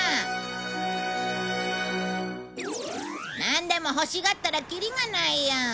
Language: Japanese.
なんでも欲しがったらキリがないよ。